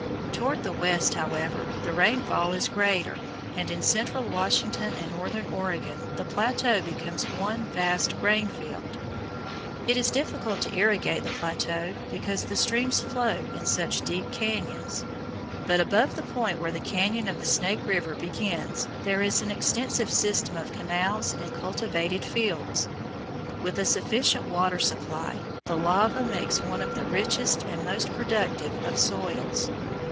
Toward the west, however, the rainfall is greater, and in central Washington and northern Oregon the plateau becomes one vast grain field. It is difficult to irrigate the plateau because the streams flow in such deep cañons, but above the point where the cañon of the Snake River begins there is an extensive system of canals and cultivated fields. With a sufficient water supply, the lava makes one of the richest and most productive of soils.